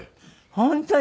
本当に？